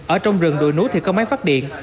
ở trong rừng đuổi nút thì có máy phát điện